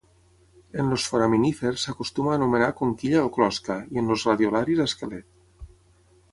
En els foraminífers s'acostuma a anomenar conquilla o closca i en els radiolaris esquelet.